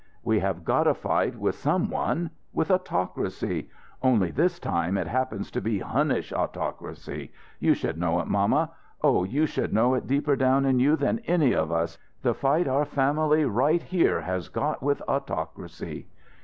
"We have got a fight with some one. With autocracy! Only, this time it happens to be Hunnish autocracy. You should know it, mamma; oh, you should know it deeper down in you than any of us, the fight our family right here has got with autocracy!"